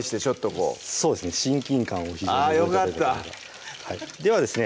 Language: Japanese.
こうそうですね親近感をあぁよかったではですね